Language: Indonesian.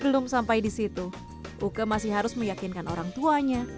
belum sampai di situ uke masih harus meyakinkan orang tuanya